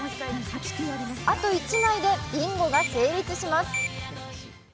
あと１枚でビンゴが成立します。